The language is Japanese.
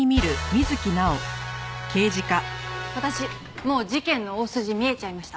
私もう事件の大筋見えちゃいました。